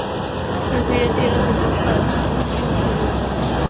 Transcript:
Prefiere tierras de poca altitud, y un suelo húmedo rico.